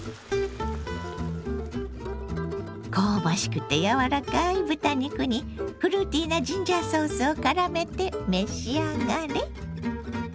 香ばしくて柔らかい豚肉にフルーティーなジンジャーソースをからめて召し上がれ。